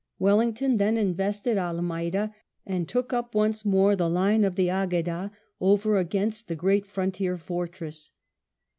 Wellington then invested Almeida and took up once more the line of the Agueda over against the great frontier fortress.